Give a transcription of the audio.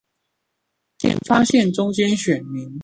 發現中間選民